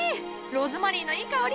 ローズマリーのいい香りじゃ。